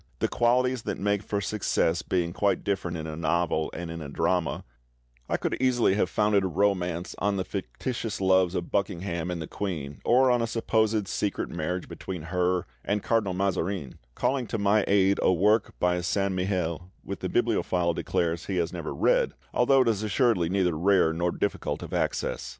The qualities that make for success being quite different in a novel and in a drama, I could easily have founded a romance on the fictitious loves of Buckingham and the queen, or on a supposed secret marriage between her and Cardinal Mazarin, calling to my aid a work by Saint Mihiel which the bibliophile declares he has never read, although it is assuredly neither rare nor difficult of access.